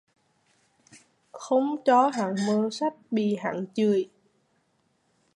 Không cho hắn mượn sách bị hắn chưởi